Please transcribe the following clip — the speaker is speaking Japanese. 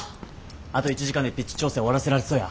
あと１時間でピッチ調整終わらせられそうや？